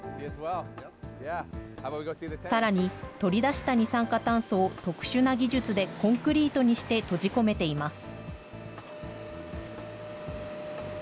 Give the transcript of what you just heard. さらに取り出した二酸化炭素を特殊な技術でコンクリートにして閉じ込めています。